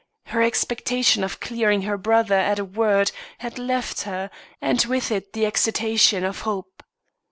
Her expectation of clearing her brother at a word had left her, and with it the excitation of hope.